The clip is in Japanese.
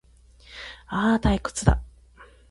ああ、退屈だ